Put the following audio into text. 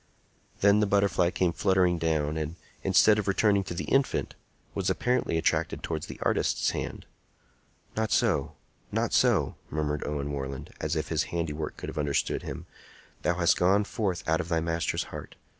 Then the butterfly came fluttering down, and, instead of returning to the infant, was apparently attracted towards the artist's hand. "Not so! not so!" murmured Owen Warland, as if his handiwork could have understood him. "Thou has gone forth out of thy master's heart.